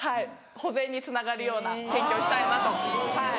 保全につながるような研究をしたいなとはい。